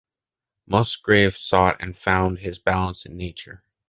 Musgrave sought and found its balance in nature.